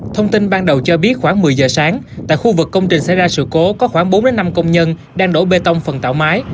thông tin ban đầu cho biết khoảng một mươi giờ sáng tại khu vực công trình xảy ra sự cố có khoảng bốn năm công nhân đang đổ bê tông phần tạo mái